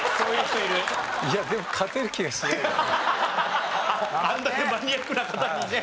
いやでもあんだけマニアックな方にね。